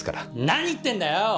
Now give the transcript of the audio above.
何言ってんだよ！